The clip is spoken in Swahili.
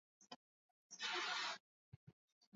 Akuna michi ya mingi sana mu mashamba yetu